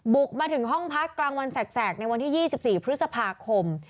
บุกมาถึงห้องพักกลางวันแสกในวันที่๒๔พฤษภาคม